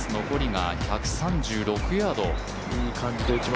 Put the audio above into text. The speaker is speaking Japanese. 残りが１３６ヤード。